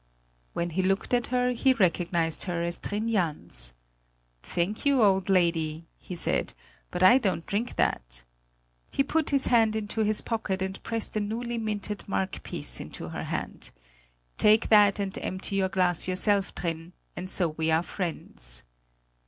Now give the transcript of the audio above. When he looked at her, he recognised her as Trin Jans. "Thank you, old lady," he said; "but I don't drink that." He put his hand into his pocket and pressed a newly minted mark piece into her hand: "Take that and empty your glass yourself, Trin; and so we are friends!"